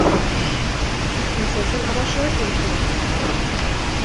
Die Prinzessin aber scheut den Tod.